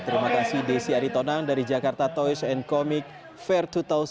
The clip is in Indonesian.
terima kasih desy adhidonang dari jakarta toys and comic fair dua ribu tujuh belas